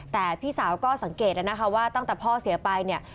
แต่พี่สาวก็สังเกตแล้วนะคะว่าตั้งแต่พ่อเสียไปเนี่ย